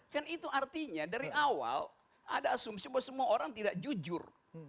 kan itu artinya dari awal ada asumsi bahwa semua orang tidak jujur